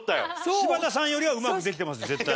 柴田さんよりはうまくできてます絶対。